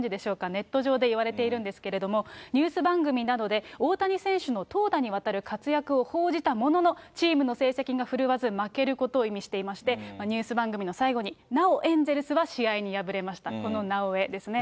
ネット上で言われているんですけども、ニュース番組などで大谷選手の投打にわたる活躍を報じたものの、チームの成績が振るわず負けることを意味していまして、ニュース番組の最後に、なおエンゼルスは試合に敗れました、このなおエですね。